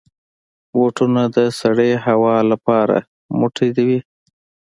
بوټونه د سړې هوا لپاره موټی وي.